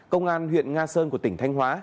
công an huyện nga sơn của tỉnh thanh hóa